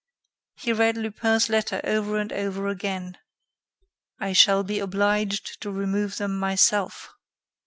He read Lupin's letter over and over again. "I shall be obliged to remove them myself."